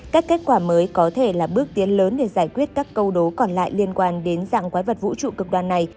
các kết quả mới có thể là bước tiến lớn để giải quyết các câu đố còn lại liên quan đến dạng quái vật vũ trụ cực đoàn này